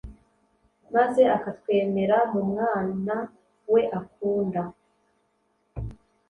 maze akatwemera mu Mwana we akunda.